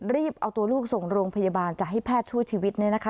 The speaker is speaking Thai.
รีบเอาตัวลูกส่งโรงพยาบาลจะให้แพทย์ช่วยชีวิต